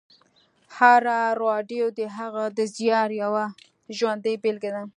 هره راډیو د هغه د زیار یوه ژوندۍ بېلګې ده